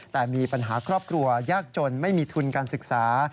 แต่มีปัญหาครอบครัวยากจนไม่มีทุนการศึกษา